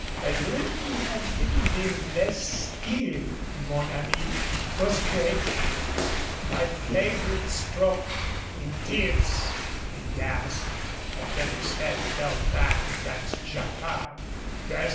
I would you had given them less skill, mon ami." "'Twas Craik my favorite stroke in tierce," he gasped, and then his head fell back against Jacquard.